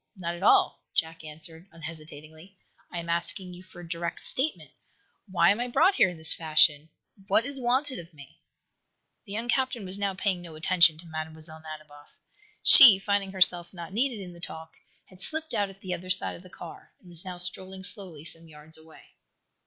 "Not at all," Jack answered, unhesitatingly. "I am asking you for a direct statement. Why am I brought here in this fashion? What is wanted of me?" The young captain was now paying no attention to Mlle. Nadiboff. She, finding herself not needed in the talk, had slipped out at the other side of the car, and was now strolling slowly some yards away.